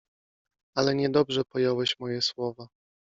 Ale niedobrze pojąłeś moje słowa.